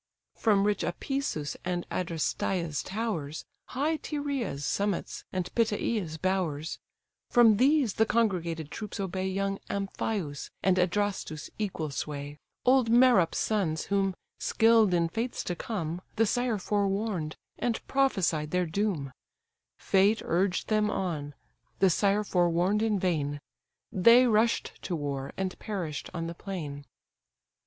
From rich Apæsus and Adrestia's towers, High Teree's summits, and Pityea's bowers; From these the congregated troops obey Young Amphius and Adrastus' equal sway; Old Merops' sons; whom, skill'd in fates to come, The sire forewarn'd, and prophesied their doom: Fate urged them on! the sire forewarn'd in vain, They rush'd to war, and perish'd on the plain.